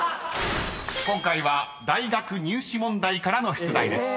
［今回は大学入試問題からの出題です］